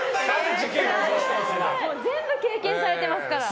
全部経験されてますから。